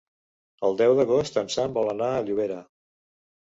El deu d'agost en Sam vol anar a Llobera.